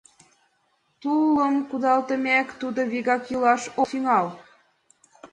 Тулыш кудалтымек, тудо вигак йӱлаш ок тӱҥал.